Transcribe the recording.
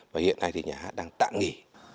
và hiện nay thì nhà hát đang tạm nghỉ